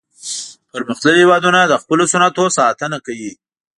پرمختللي هیوادونه د خپلو صنعتونو ساتنه کوي